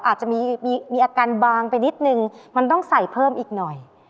อาจจะมีอาการบางไปนิดนึงมันต้องใส่เพิ่มอีกหน่อย